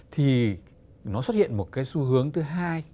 thì nó xuất hiện một xu hướng thứ hai